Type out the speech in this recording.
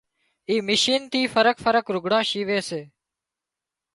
اي مشين ٿي فرق فرق لگھڙان شيوي سي